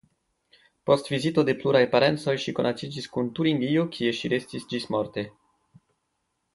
Post vizito de pluraj parencoj ŝi konatiĝis kun Turingio kie ŝi restis ĝismorte.